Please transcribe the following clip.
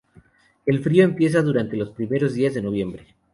El frío empieza durante los primeros días de noviembre.